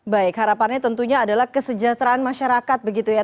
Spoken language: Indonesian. baik harapannya tentunya adalah kesejahteraan masyarakat begitu ya